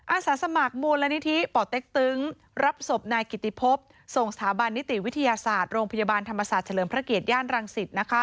อาสาสมัครมูลนิธิป่อเต็กตึงรับศพนายกิติพบส่งสถาบันนิติวิทยาศาสตร์โรงพยาบาลธรรมศาสตร์เฉลิมพระเกียรติย่านรังสิต